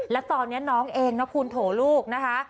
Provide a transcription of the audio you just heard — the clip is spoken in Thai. และตอนนี้น้องเองนะภูลโถลูกนะคะ